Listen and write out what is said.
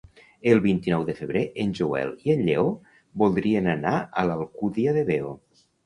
El vint-i-nou de febrer en Joel i en Lleó voldrien anar a l'Alcúdia de Veo.